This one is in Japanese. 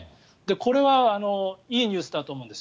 これはいいニュースだと思うんです。